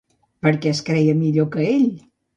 Per què es creia millor que ell?